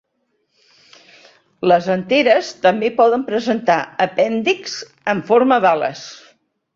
Les anteres també poden presentar apèndixs en forma d'ales.